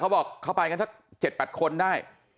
เขาบอกเขาไปกันสัก๗๘คนได้